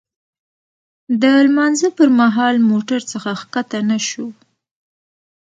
د لمانځه پر مهال موټر څخه ښکته نه شوو.